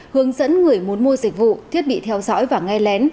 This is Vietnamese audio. hướng dẫn người muốn mua dịch vụ thiết bị theo dõi và nghe lén